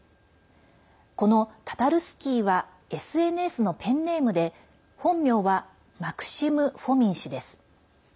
このタタルスキーはＳＮＳのペンネームで本名はマクシム・フォミン氏です。